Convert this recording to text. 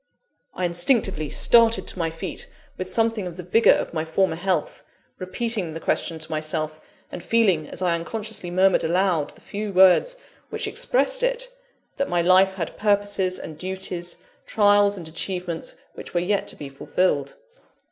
I instinctively started to my feet with something of the vigour of my former health; repeating the question to myself; and feeling, as I unconsciously murmured aloud the few words which expressed it, that my life had purposes and duties, trials and achievements, which were yet to be fulfilled.